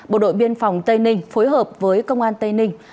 bộ đội biên phòng tây ninh phối hợp với công an tây ninh